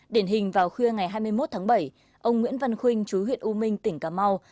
điển hình vào khuya ngày hai mươi một tháng bảy ông nguyễn văn khuynh chú huyện u minh tỉnh cà mau